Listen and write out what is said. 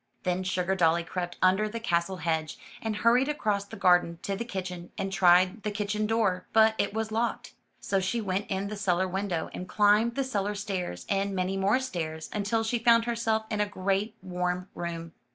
Then Sugardolly crept under the castle hedge, and hurried across the garden to the kitchen, and tried the kitchen door, but it was locked. So she went in the cellar window, and climbed the cellar stairs, and many more stairs, until she found herself in a great warm room.